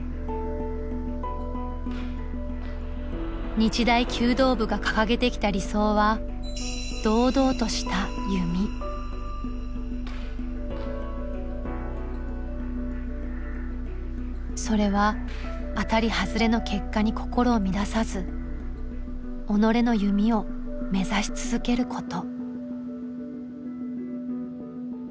日大弓道部が掲げてきた理想はそれは当たり外れの結果に心を乱さず己の弓を目指し続けること。